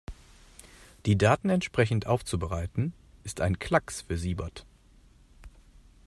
Die Daten entsprechend aufzubereiten, ist ein Klacks für Siebert.